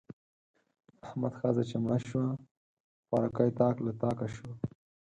د احمد ښځه چې مړه شوه؛ خوارکی تاک له تاکه شو.